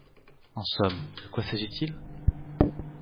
En somme, de quoi s’agit-il ?…